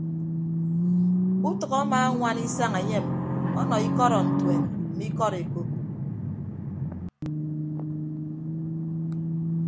Utʌk amaañwana isañ enyem ọnọ ikọdọntuen mme ikọd ekop.